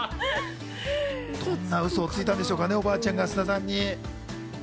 どんなウソをついたんでしょうかね、おばちゃんが菅田さんに。